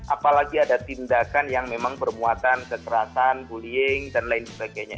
apalagi ada tindakan yang memang bermuatan kekerasan bullying dan lain sebagainya